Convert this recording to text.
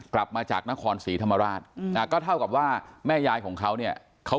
กลับมาจากนครศรีธรรมราชก็เท่ากับว่าแม่ยายของเขาเนี่ยเขา